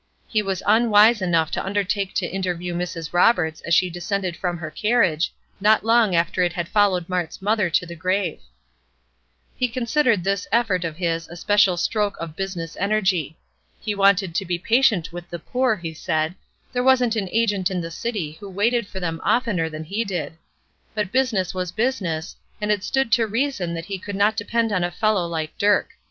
He was unwise enough to undertake to interview Mrs. Roberts as she descended from her carriage, not long after it had followed Mart's mother to the grave. He considered this effort of his a special stroke of business energy. He wanted to be patient with the poor, he said; there wasn't an agent in the city who waited for them oftener than he did; but business was business, and it stood to reason that he could not depend on a fellow like Dirk.